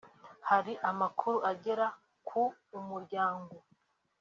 hari amakuru agera ku Umuryango